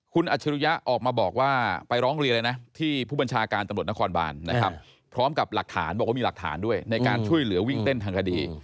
คุณอัจฉริยะออกมาบอกว่าไปร้องเรียนเลยนะที่ผู้บัญชาการตำรวจนครบานนะครับพร้อมกับหลักฐานบอกว่ามีหลักฐานด้วยในการช่วยเหลือวิ่งเต้นทางคดี